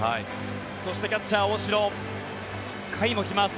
そして、キャッチャー、大城甲斐も来ます。